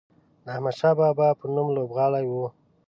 د احمدشاه بابا په نوم لوبغالی و.